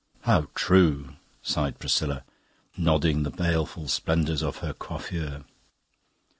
"How true!" sighed Priscilla, nodding the baleful splendours of her coiffure.